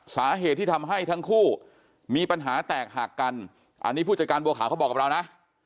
สาเหตุที่ทำให้ทั้งคู่มีปัญหาแตกหักกันอันนี้ผู้จัดการบัวขาวเขาบอกกับเรานะ